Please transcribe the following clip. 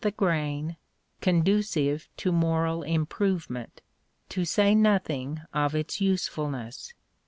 the grain conducive to moral improvement, to say nothing of its usefulness.